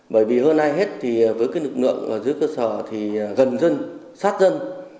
bởi vì hơn ai hết thì với lực lượng dưới cơ sở thì gần dân sát dân